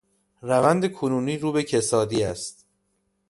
روند کنونی رو به کسادی است.